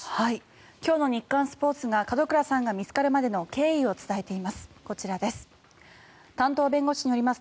今日の日刊スポーツが門倉さんが見つかるまでの経緯を伝えています。